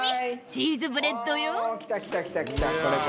チーズブレッド。